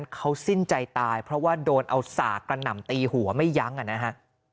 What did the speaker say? เขาสิ้นใจตายเพราะว่าโดนเอาสากกระหน่ำตีหัวไม่ยั้งอ่ะนะฮะ